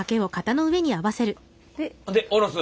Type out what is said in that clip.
で下ろす？